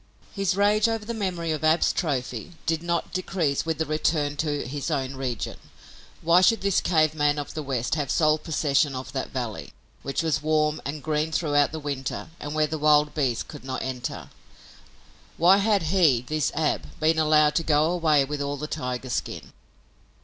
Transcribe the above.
His rage over the memory of Ab's trophy did not decrease with the return to his own region. Why should this cave man of the West have sole possession of that valley, which was warm and green throughout the winter and where the wild beasts could not enter? Why had he, this Ab, been allowed to go away with all the tiger's skin?